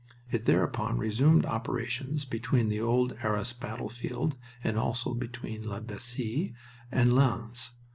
It thereupon resumed operations between the old Arras battlefield and also between La Bassee and Lens.